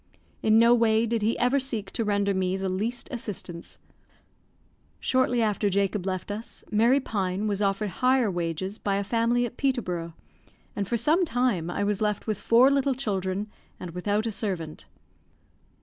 In no way did he ever seek to render me the least assistance. Shortly after Jacob left us, Mary Pine was offered higher wages by a family at Peterborough, and for some time I was left with four little children, and without a servant.